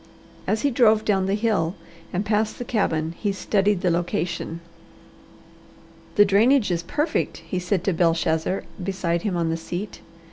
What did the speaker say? As he drove down the hill and passed the cabin he studied the location. "The drainage is perfect," he said to Belshazzar beside him on the seat.